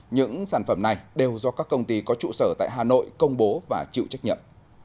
những sản phẩm này đều do các công ty có trụ sở tại hà nội công bố và chịu trách nhiệm